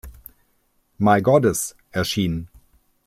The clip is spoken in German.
My Goddess" erschien.